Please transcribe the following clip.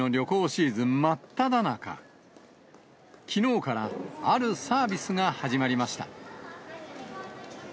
きのうからあるサービスが始まりました。